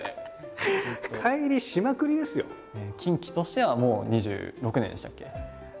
キンキとしてはもう２６年でしたっけ？